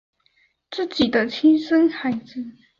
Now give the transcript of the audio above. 自己的亲生孩子